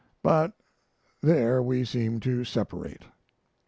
But there we seem to separate.